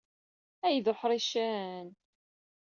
Ay d uḥṛicen!